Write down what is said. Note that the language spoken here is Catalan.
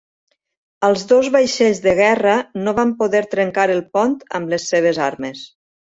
Els dos vaixells de guerra no van poder trencar el pont amb les seves armes.